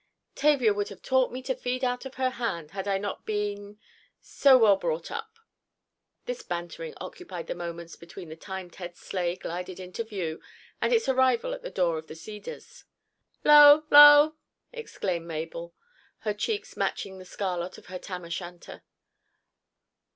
"Tavia would have taught me to feed out of her hand, had I not been—so well brought up." This bantering occupied the moments between the time Ted's sleigh glided into view, and its arrival at the door of the Cedars. "'Lo, 'lo!" exclaimed Mabel, her cheeks matching the scarlet of her Tam o'Shanter.